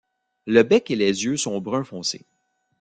Le bec et les yeux sont brun foncé.